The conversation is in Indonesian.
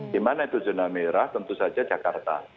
di mana itu zona merah tentu saja jakarta